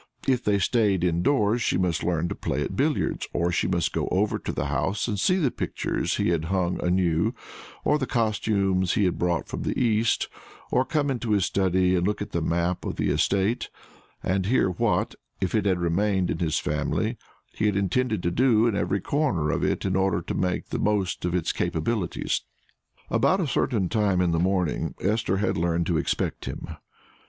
If they staid indoors, she must learn to play at billiards, or she must go over the house and see the pictures he had had hung anew, or the costumes he had brought from the East; or come into his study and look at the map of the estate, and hear what if it had remained in his family he had intended to do in every corner of it in order to make the most of its capabilities. About a certain time in the morning Esther had learned to expect him.